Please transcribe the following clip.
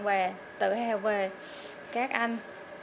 và tự hào về các anh